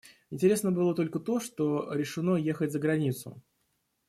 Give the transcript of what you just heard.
Интересно было только то, что решено ехать за границу.